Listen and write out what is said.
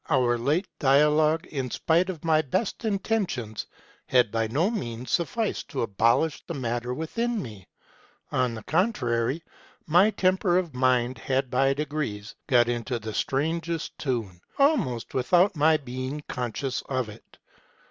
our late dialogue, in spite of my best intentions, had by no means sufficed to settle the matter within me : on the contrary, my temper of mind had by degrees got into the strangest tune, almost without my being conscious of it.